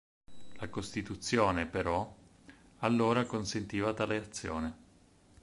La costituzione, però, allora consentiva tale azione.